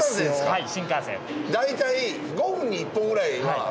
はい。